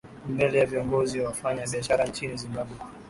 mbele ya viongozi wafanya biashara nchini zimbabwe